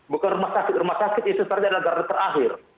bukan rumah sakit rumah sakit itu saja adalah garda terakhir